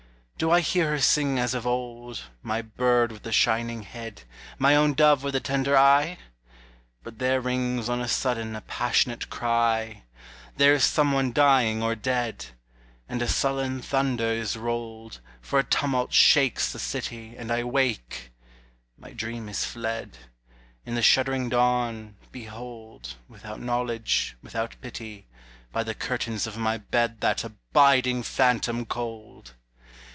Do I hear her sing as of old, My bird with the shining head, My own dove with the tender eye? But there rings on a sudden a passionate cry There is some one dying or dead; And a sullen thunder is rolled; For a tumult shakes the city, And I wake my dream is fled; In the shuddering dawn, behold, Without knowledge, without pity, By the curtains of my bed That abiding phantom cold!